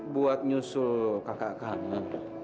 buat nyusul kakak kamu